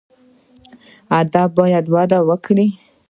ادب باید وده وکړي